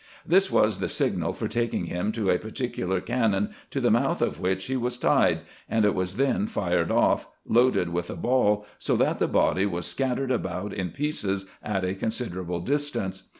This was the signal for taking him to a particular cannon, to the mouth of which he was tied ; and it was then fired off, loaded with a ball, so that the body was scattered about in pieces at a considerable distance.